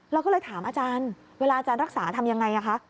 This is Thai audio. เราก็เลยถามอาจารย์เวลาอาจารย์รักษาทำยังไงคะ